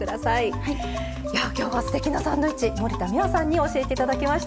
や今日はすてきなサンドイッチ森田三和さんに教えて頂きました。